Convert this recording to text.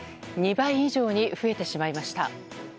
２倍以上に増えてしまいました。